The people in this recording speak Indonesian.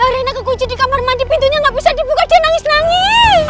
karena kekunci di kamar mandi pintunya gak bisa dibuka dia nangis nangis